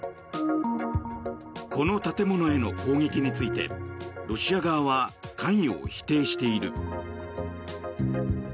この建物への攻撃についてロシア側は関与を否定している。